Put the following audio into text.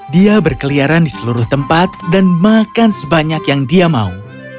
dia berkeliaran di seluruh tempat dan makan sebanyak yang dia mau